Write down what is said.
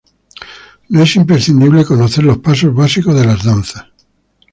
No es imprescindible conocer los pasos básicos de las danzas.